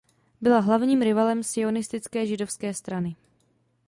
Byla hlavním rivalem sionistické Židovské strany.